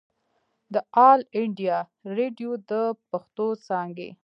د آل انډيا ريډيو د پښتو څانګې